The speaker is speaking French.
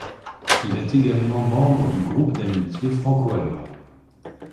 Il est également membre du groupe d'amitié franco-allemand.